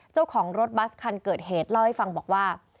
เจ้าของรถบัสคันเกิดเหตุเล่าให้ฟังบอกว่า